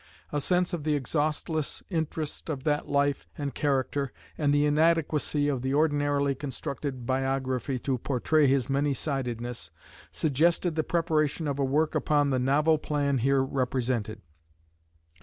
A sense of the exhaustless interest of that life and character, and the inadequacy of the ordinarily constructed biography to portray his many sidedness, suggested the preparation of a work upon the novel plan here represented.